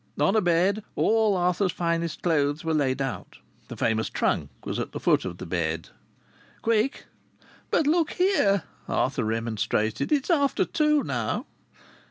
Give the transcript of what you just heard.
On a bed all Arthur's finest clothes were laid out. The famous trunk was at the foot of the bed. "Quick!" "But look here!" Arthur remonstrated. "It's after two now."